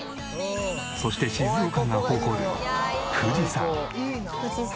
そして静岡が誇る富士山。